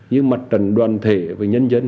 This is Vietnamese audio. như mặt trận đoàn thể với nhân dân